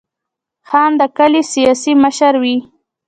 خان د کلي سیاسي مشر وي.